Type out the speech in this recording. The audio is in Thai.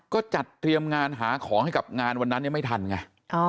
ก็จัดเตรียมงานหาของให้กับงานวันนั้นไม่ทันไง